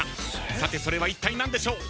［さてそれはいったい何でしょう？］